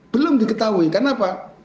belum diketahui kenapa